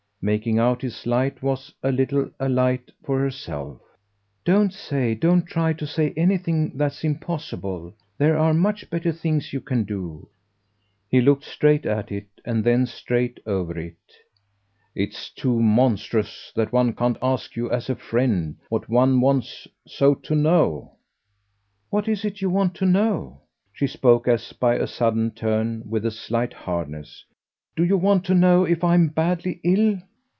Making out his light was a little a light for herself. "Don't say, don't try to say, anything that's impossible. There are much better things you can do." He looked straight at it and then straight over it. "It's too monstrous that one can't ask you as a friend what one wants so to know." "What is it you want to know?" She spoke, as by a sudden turn, with a slight hardness. "Do you want to know if I'm badly ill?"